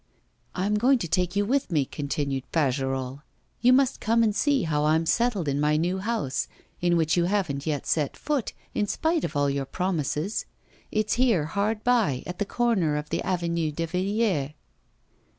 'I'm going to take you with me,' continued Fagerolles; you must come and see how I'm settled in my little house, in which you haven't yet set foot, in spite of all your promises. It's there, hard by, at the corner of the Avenue de Villiers.